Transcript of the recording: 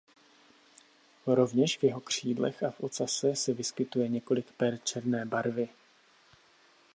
Rovněž v jeho křídlech a v ocase se vyskytuje několik per černé barvy.